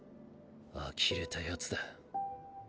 あきれたヤツだ。